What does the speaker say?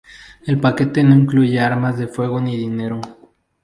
El paquete no incluye armas de fuego ni dinero.